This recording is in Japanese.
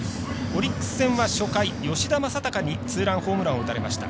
オリックス戦は初回吉田正尚にツーランホームランを打たれました。